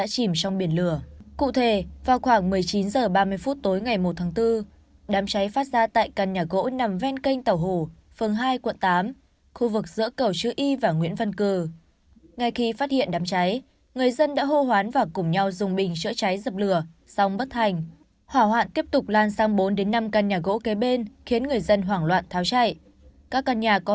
xin chào và hẹn gặp lại các bạn trong những video tiếp theo